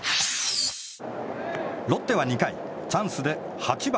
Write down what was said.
ロッテは２回チャンスで８番、